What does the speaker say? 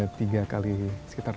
jadi ini kondisinya di rumah lantai dua